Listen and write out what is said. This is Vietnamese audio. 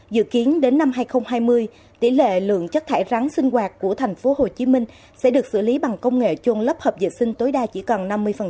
dự kiến đến năm hai nghìn hai mươi tỷ lệ lượng chất thải rắn sinh hoạt của tp hcm sẽ được xử lý bằng công nghệ chôn lấp hợp vệ sinh tối đa chỉ còn năm mươi